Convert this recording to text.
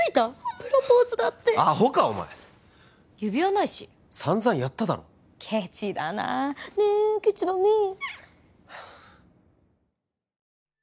プロポーズだってアホかお前指輪ないしさんざんやっただろケチだなねえケチだねうん？